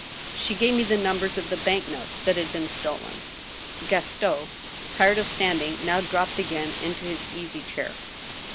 "She gave me the numbers of the bank notes that had been stolen." Gaston, tired of standing, now dropped again into his easy chair.